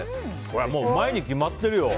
うまいに決まってるよ！